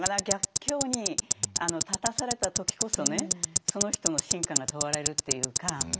逆境に立たされた時こそねその人の真価が問われるっていうか